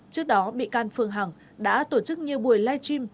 trước đó bị can phương hằng đã tổ chức nhiều buổi live stream